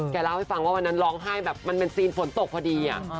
เล่าให้ฟังว่าวันนั้นร้องไห้แบบมันเป็นซีนฝนตกพอดี